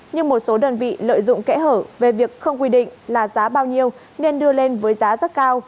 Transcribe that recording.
nhưng một số đơn vị lợi dụng kẽ hở về việc không quy định là giá bao nhiêu nên đưa lên với giá rất cao